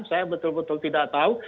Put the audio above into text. saya betul betul tidak tahu